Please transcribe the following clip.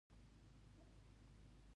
د بیت المقدس تر ټولو پخوانی نوم یبوس دی.